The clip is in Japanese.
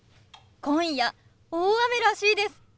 今夜大雨らしいです。